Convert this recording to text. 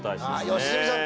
良純さん